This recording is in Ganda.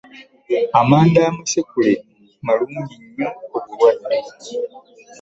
Amanda amasekule malungi nnyo ku bulwadde.